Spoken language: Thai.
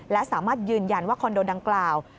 และสามารถยืนยันว่าคอนโดดังกล่าว